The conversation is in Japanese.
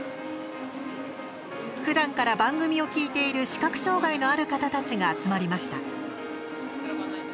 ふだんから番組を聴いている視覚障害のある方たちが集まりました。